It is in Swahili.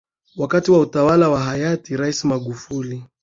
wakati wa utawala wa hayati raisi Magufuli